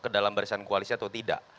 kedalam barisan koalisi atau tidak